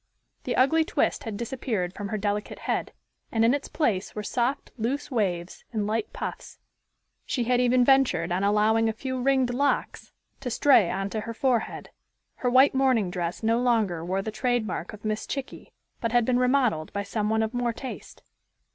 The ugly twist had disappeared from her delicate head; and in its place were soft, loose waves and light puffs; she had even ventured on allowing a few ringed locks to stray on to her forehead; her white morning dress no longer wore the trade mark of Miss Chickie, but had been remodelled by some one of more taste.